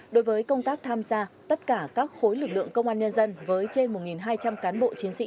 đối với công tác tham gia tất cả các khối lực lượng công an nhân dân với trên một hai trăm linh cán bộ chiến sĩ